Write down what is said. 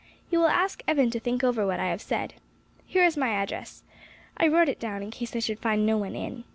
You will ask Evan to think over what I have said. Here is my address. I wrote it down in case I should find no one in.